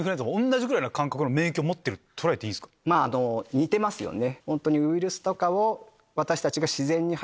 似てますよね。